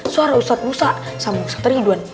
suara usat musa sama usat ridwan